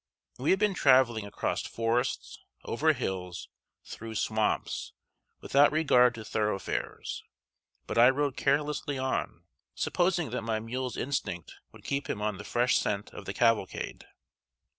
We had been traveling across forests, over hills, through swamps, without regard to thoroughfares; but I rode carelessly on, supposing that my mule's instinct would keep him on the fresh scent of the cavalcade.